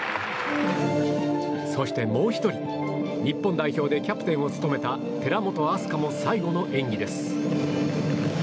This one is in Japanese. そして、もう１人日本代表でキャプテンを務めた寺本明日香も最後の演技です。